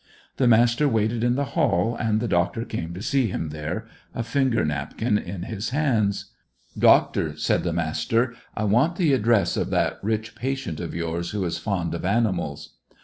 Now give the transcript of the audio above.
The Master waited in the hall, and the doctor came to see him there, a finger napkin in his hands. "Doctor," said the Master; "I want the address of that rich patient of yours who is fond of animals."